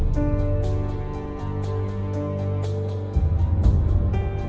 โปรดติดตามต่อไป